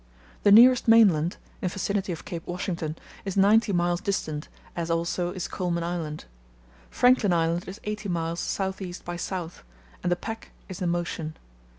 The nearest mainland (in vicinity of Cape Washington) is ninety miles distant, as also is Coulman Island. Franklin Island is eighty miles south east by south, and the pack is in motion.